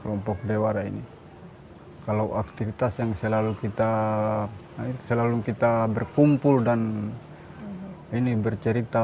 kelompok dewara ini kalau aktivitas yang selalu kita selalu kita berkumpul dan ini bercerita